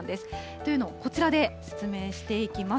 というのをこちらで説明していきます。